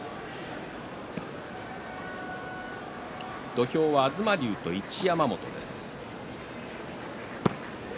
土俵は東龍と一山本です。